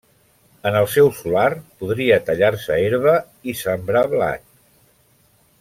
En el seu solar podria tallar-se herba i sembrar blat.